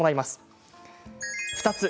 ２つ。